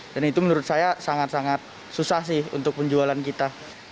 dan itu menurut saya sangat sangat susah sih untuk penjualan kita